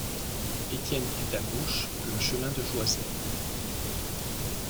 Étienne prit à gauche le chemin de Joiselle.